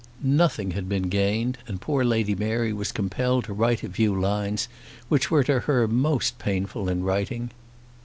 Nothing had been gained, and poor Lady Mary was compelled to write a few lines which were to her most painful in writing.